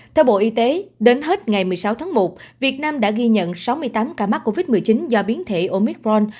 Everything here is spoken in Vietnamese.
theo bộ y tế đến hết ngày một mươi sáu tháng một việt nam đã ghi nhận sáu mươi tám ca mắc covid một mươi chín do biến thể omicron